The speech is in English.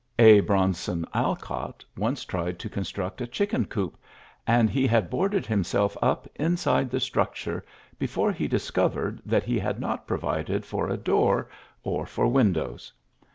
A. Bronson Alcott once tried to construct a chicken coop, and he had boarded himself up inside the structure before he discovered that he had not provided for a door or for windows.